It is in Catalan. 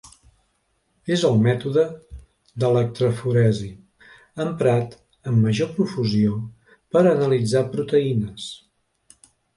És el mètode d'electroforesi emprat amb major profusió per analitzar proteïnes.